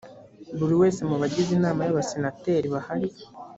buri wese mu bagize inama y’abasenateri bahari